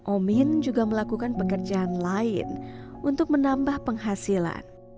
omin juga melakukan pekerjaan lain untuk menambah penghasilan